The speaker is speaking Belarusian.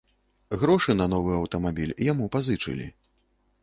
Грошы на новы аўтамабіль яму пазычылі.